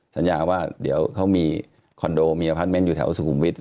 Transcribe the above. สัญญาว่าเดี๋ยวเขามีคอนโดมีอพาร์ทเมนต์อยู่แถวสุขุมวิทย์